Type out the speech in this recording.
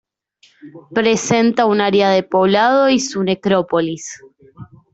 Presenta un área de poblado y su necrópolis.